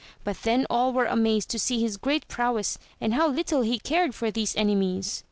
But then all were amazed to see his great prowess, and how little he cared for these enemies !